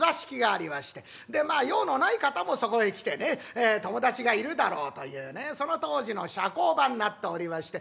でまあ用のない方もそこへ来てね友達がいるだろうというねその当時の社交場になっておりまして。